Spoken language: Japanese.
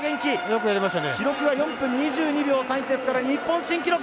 記録は４分２２秒３１ですから日本新記録！